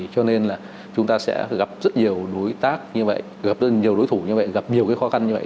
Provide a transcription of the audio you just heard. cho nên là chúng ta sẽ gặp rất nhiều đối tác như vậy gặp rất nhiều đối thủ như vậy gặp nhiều khó khăn như vậy